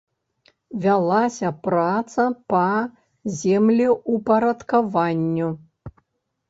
Вялася праца па землеўпарадкаванню.